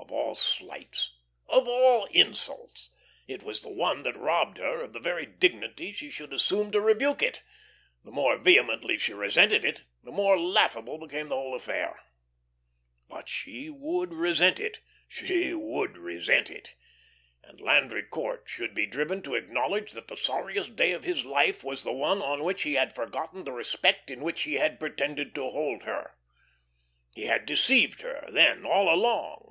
Of all slights, of all insults, it was the one that robbed her of the very dignity she should assume to rebuke it. The more vehemently she resented it, the more laughable became the whole affair. But she would resent it, she would resent it, and Landry Court should be driven to acknowledge that the sorriest day of his life was the one on which he had forgotten the respect in which he had pretended to hold her. He had deceived her, then, all along.